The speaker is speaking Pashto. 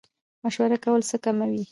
مشوره کول څه کموي؟